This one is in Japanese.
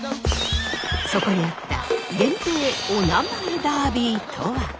そこにあった源平おなまえダービーとは？